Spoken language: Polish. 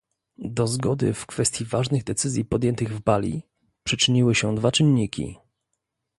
Do zgody w kwestii ważnych decyzji podjętych w Bali przyczyniły się dwa czynniki